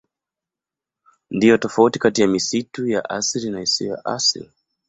Ndiyo tofauti kati ya misitu ya asili na isiyo ya asili.